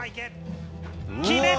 決めた！